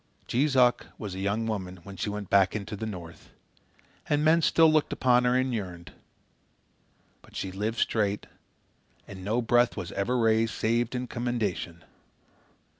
Jees Uck was a young woman when she went back into the North, and men still looked upon her and yearned. But she lived straight, and no breath was ever raised save in commendation.